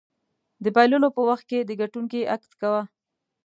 د بایللو په وخت کې د ګټونکي اکټ کوه.